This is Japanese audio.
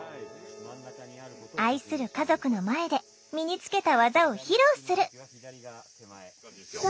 愛する家族の前で身につけた技を披露する！